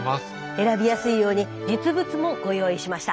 選びやすいように実物もご用意しました。